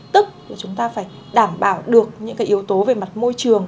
tức là chúng ta phải đảm bảo được những cái yếu tố về mặt môi trường